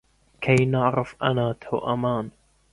كي نعرف أنا توأمان!